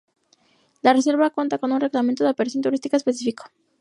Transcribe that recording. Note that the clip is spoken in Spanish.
La reserva cuenta con un Reglamento de Operación Turística específico.